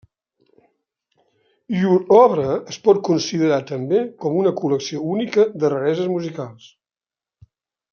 Llur obra es pot considerar també com una col·lecció única de rareses musicals.